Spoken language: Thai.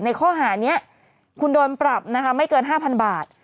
ในข้อหานี้คุณโดนปรับนะคะไม่เกิน๕๐๐บาท